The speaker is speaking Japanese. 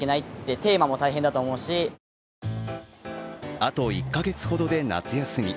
あと１か月ほどで夏休み。